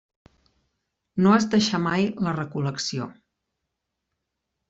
No es deixà mai la recol·lecció.